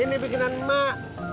ini bikinan emak